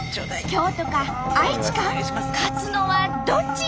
京都か愛知か勝つのはどっち！？